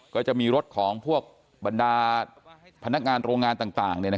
ก็จะมีรถของพวกบรรดาพนักงานโรงงานต่าง